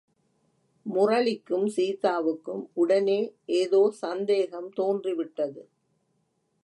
முரளிக்கும் சீதாவுக்கும் உடனே ஏதோ சந்தேகம் தோன்றிவிட்டது.